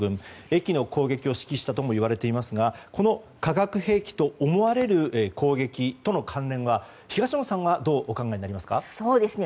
駅の攻撃を指揮したとも言われていますがこの化学兵器と思われる攻撃との関連は東野さんはどうお考えになりますか。